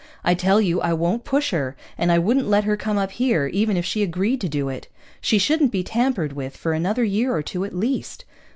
I tell you, I won't push her. And I wouldn't let her come up here, even if she agreed to do it. She shouldn't be tampered with for another year or two at least."